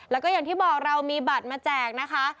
แล้วก็อย่างที่บอกเรามีบัตรมาแจกนะคะ